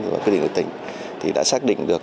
và quy định của tỉnh đã xác định được